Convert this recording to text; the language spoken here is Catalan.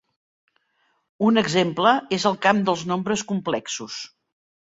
Un exemple és el camp dels nombres complexos.